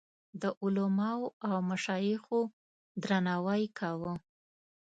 د علماوو او مشایخو درناوی کاوه.